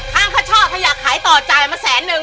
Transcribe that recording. อ้างเขาชอบถ้าอยากขายต่อจ่ายมาแสนนึง